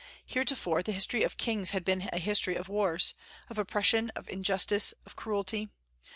Heretofore the history of kings had been a history of wars, of oppression, of injustice, of cruelty.